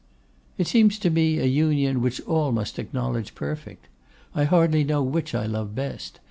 'It seems to me an union which all must acknowledge perfect. I hardly know which I love best.